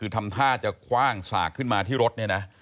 ทำท่าจะคว่างสากขึ้นมาที่รถเนี่ยนะ